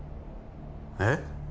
えっ？